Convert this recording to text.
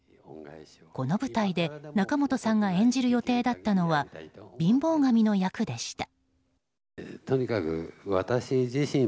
この舞台で、仲本さんが演じる予定だったのは貧乏神の役でした。